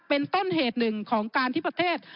เป็นต้นเหตุหนึ่งของการที่ประเทศ